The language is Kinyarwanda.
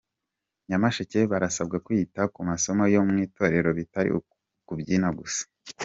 Nyamasheke Barasabwa kwita ku masomo yo mu itorero bitari ukubyina gusa